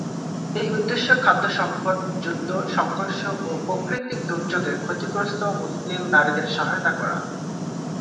এর উদ্দেশ্য খাদ্য সংকট, যুদ্ধ, সংঘর্ষ ও প্রাকৃতিক দুর্যোগে ক্ষতিগ্রস্ত মুসলিম নারীদের সহায়তা করা।